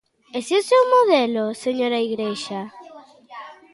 ¿Ese é o seu modelo, señora Igrexa?